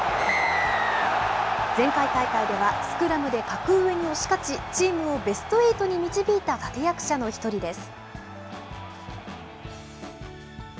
前回大会ではスクラムで格上に押し勝ち、チームをベストエイトに導いた立て役者の一人です。